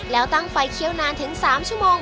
แล้วตั้งไฟเขี้ยวนานถึง๓ชั่วโมง